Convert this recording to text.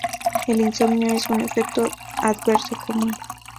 El insomnio es un efecto adverso común.